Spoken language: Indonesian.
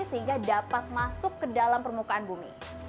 sehingga dapat masuk ke dalam permukaan bumi